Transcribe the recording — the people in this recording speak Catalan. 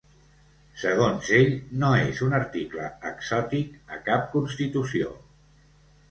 Segons ell, ‘no és un article exòtic a cap constitució’.